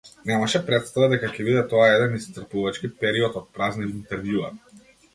Немаше претстава дека ќе биде тоа еден исцрпувачки период од празни интервјуа.